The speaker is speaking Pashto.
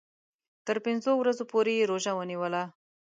تر پنځو ورځو پوري یې روژه ونیوله.